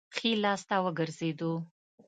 ښي لاس ته وګرځېدو.